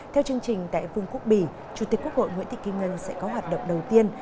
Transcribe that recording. theo chương trình tại vương quốc bỉ chủ tịch quốc hội nguyễn thị kim ngân sẽ có hoạt động đầu tiên